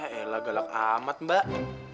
ya elah galak amat mbak